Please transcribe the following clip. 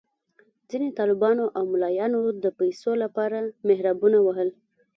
ځینو طالبانو او ملایانو د پیسو لپاره محرابونه وهل.